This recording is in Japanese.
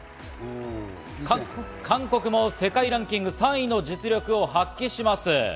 韓国も世界ランキング３位の実力を発揮します。